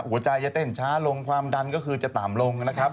หัวใจจะเต้นช้าลงความดันก็คือจะต่ำลงนะครับ